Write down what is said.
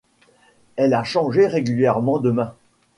Elle a changé régulièrement de main.